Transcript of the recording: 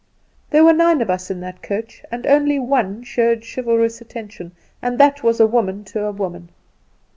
"There were nine of us in that coach, and only one showed chivalrous attention and that was a woman to a woman.